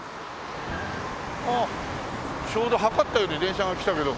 あっちょうど計ったように電車が来たけど。